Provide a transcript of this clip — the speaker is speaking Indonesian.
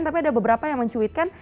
tapi ada beberapa yang mencuitkan